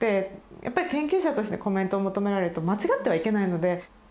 やっぱり研究者としてコメントを求められると間違ってはいけないので。